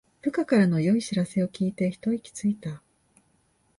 部下からの良い知らせを聞いてひと息ついた